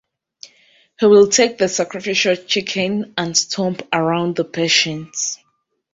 He will take the sacrificial chicken and stomp around the patient.